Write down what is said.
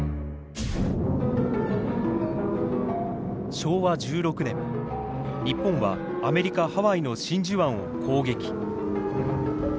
昭和１６年日本はアメリカ・ハワイの真珠湾を攻撃。